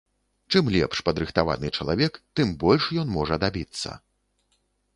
Чым лепш падрыхтаваны чалавек, тым больш ён можа дабіцца.